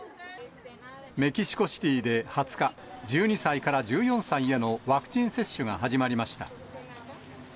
メキシコシティで２０日、１２歳から１４歳へのワクチン接種が始まりました。